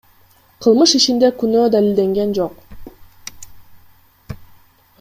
Кылмыш ишинде күнөө далилденген жок.